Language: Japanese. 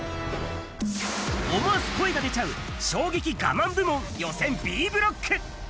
思わず声が出ちゃう、衝撃我慢部門予選Ｂブロック。